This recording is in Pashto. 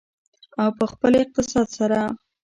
او په خپل اقتصاد سره.